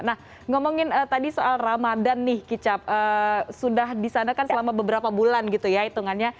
nah ngomongin tadi soal ramadan nih kicap sudah di sana kan selama beberapa bulan gitu ya hitungannya